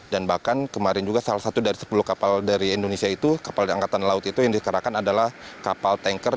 dan bahkan kemarin juga salah satu dari sepuluh kapal dari indonesia itu kapal angkatan laut itu yang diserahkan adalah kapal tanker